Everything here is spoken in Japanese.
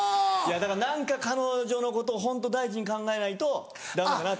だから何か彼女のことをホント第一に考えないとダメだなと。